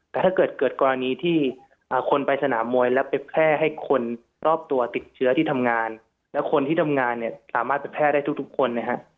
แต่ถ้าเกิดเกิดกรณีที่คนไปสนามมวยแล้วไปแพร่ให้คนรอบตัวติดเชื้อที่ทำงานและคนที่ทำงานเนี่ยสามารถไปแพร่ได้ทุกคนนะฮะ